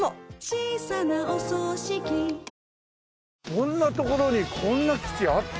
こんな所にこんな基地あった？